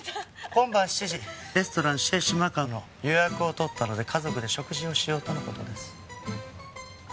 今晩７時レストランシェ・シマカワの予約を取ったので家族で食事をしようとの事です。